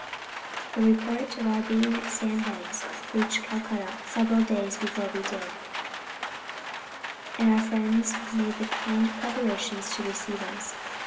"The report of our being at Sand Heads reached Calcutta several days before we did, and our friends had made kind preparations to receive us.